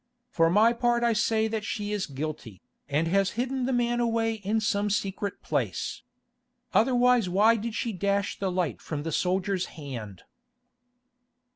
For my part I say that she is guilty, and has hidden the man away in some secret place. Otherwise why did she dash the light from the soldier's hand?"